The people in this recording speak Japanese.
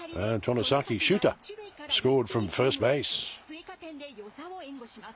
追加点で與座を援護します。